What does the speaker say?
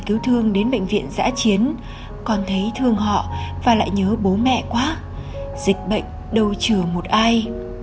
cứu thương đến bệnh viện giã chiến còn thấy thương họ và lại nhớ bố mẹ quá dịch bệnh đâu trừ một ai